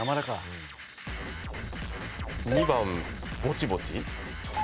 ２番ぼちぼち？